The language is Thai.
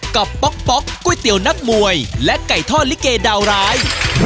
ป๊อกก๋วยเตี๋ยวนักมวยและไก่ทอดลิเกดาวร้าย